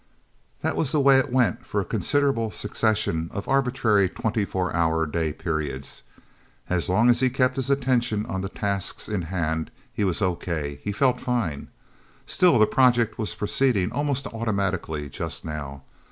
That was the way it went for a considerable succession of arbitrary twenty four hour day periods. As long as he kept his attention on the tasks in hand, he was okay he felt fine. Still, the project was proceeding almost automatically, just now.